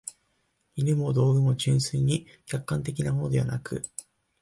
尤も、道具は純粋に客観的なものでなく、